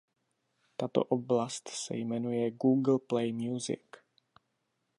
Tato oblast se jmenuje "Google Play Music".